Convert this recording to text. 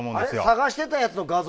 探していたやつの画像